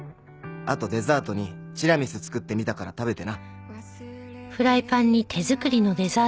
「あとデザートに血ラミス作ってみたから食べてな」